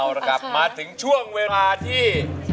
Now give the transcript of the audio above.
เอาละครับมาถึงช่วงเวลาที่